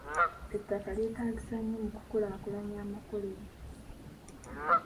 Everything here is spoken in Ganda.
Ettaka lyeetaagisa nnyo mu ku kulaakulanya amakolero.